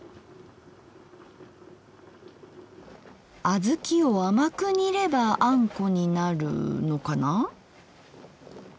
あずきを甘く煮ればあんこになるのかな？